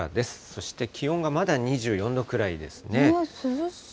そして気温がまだ２４度くらいですね。